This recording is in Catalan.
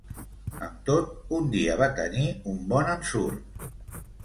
Amb tot, un dia va tenir un bon ensurt.